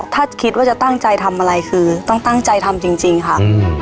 ถ้าคิดว่าจะตั้งใจทำอะไรคือต้องตั้งใจทำจริงค่ะ